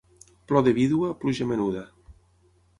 Plor de vídua, pluja menuda.